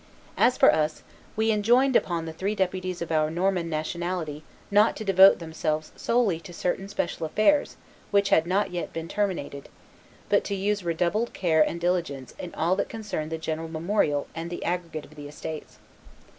As for us, we enjoined upon the three deputies of our Norman nationality not to devote themselves solely to certain special affairs which had not yet been terminated, but to use redoubled care and diligence in all that concerned the general memorial and the aggregate of the estates.